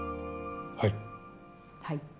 はい。